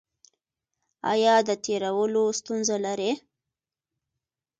ایا د تیرولو ستونزه لرئ؟